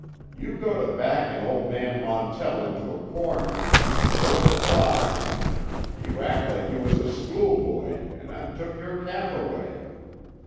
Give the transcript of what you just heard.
You go to backin' old man Montell into a corner, and the fur'll fly. You act like you was a schoolboy, and I'd took your cap away."